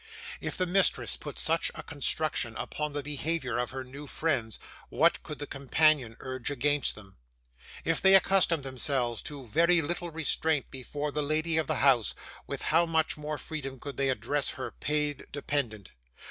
If the mistress put such a construction upon the behaviour of her new friends, what could the companion urge against them? If they accustomed themselves to very little restraint before the lady of the house, with how much more freedom could they address her paid dependent!